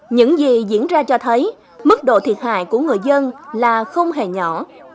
những gì diễn ra cho thấy mức độ thiệt hại của người dân là không hề nhỏ